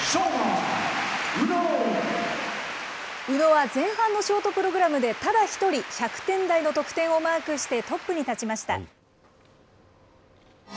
宇野は前半のショートプログラムで、ただ１人、１００点台の得点をマークして、トップに立ちました。